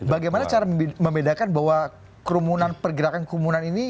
bagaimana cara membedakan bahwa kerumunan pergerakan kerumunan ini